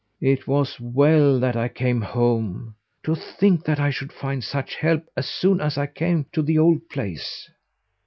It was well that I came home. To think that I should find such help as soon as I came to the old place!"